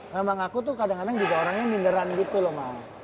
memang aku tuh kadang kadang juga orangnya minderan gitu loh mau